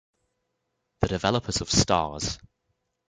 The developers of Stars!